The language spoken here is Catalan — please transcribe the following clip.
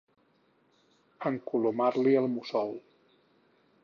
Encolomar-li el mussol.